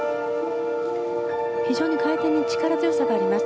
非常に回転の力強さがあります。